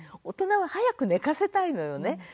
大人は早く寝かせたいのよね。